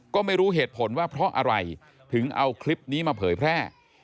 ก็ไม่รู้เหตุผลว่าเพราะอะไรถึงเอาคลิปนี้มาเผยแพร่